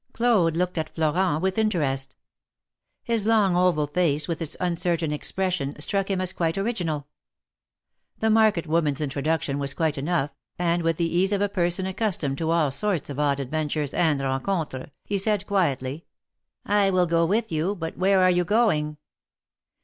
Claude looked at Florent with interest. His long, oval face, with its uncertain expression, struck him as quite original. The market woman's introduction was quite enough, and with the ease of a person accustomed to all sorts of odd adventures and rencontres, he said quietly : will go with you ; but where are you going?"